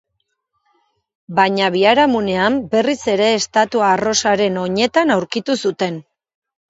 Baina biharamunean berriz ere estatua arrosaren oinetan aurkitu zuten.